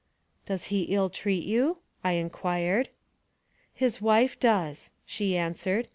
" Does he ill treat you?" I inquired. " His wife does," she answered.